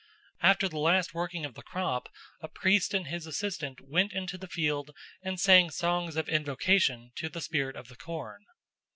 After the last working of the crop a priest and his assistant went into the field and sang songs of invocation to the spirit of the corn.